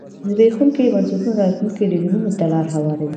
زبېښونکي بنسټونه راتلونکو رژیمونو ته لار هواروي.